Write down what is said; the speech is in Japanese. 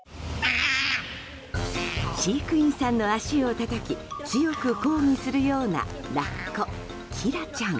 飼育員さんの足をたたき強く抗議するようなラッコキラちゃん。